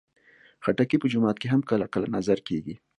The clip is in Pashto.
خټکی په جومات کې هم کله کله نذر کېږي.